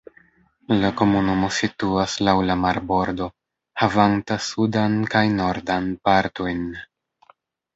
La komunumo situas laŭ la marbordo havanta sudan kaj nordan partojn.